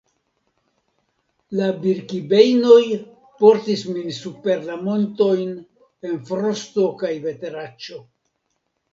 La Birkibejnoj portis min super la montojn en frosto kaj veteraĉo.